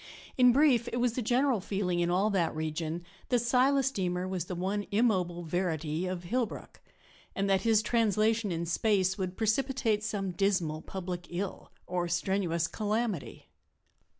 In brief, it was the general feeling in all that region that Silas Deemer was the one immobile verity of Hillbrook, and that his translation in space would precipitate some dismal public ill or strenuous calamity.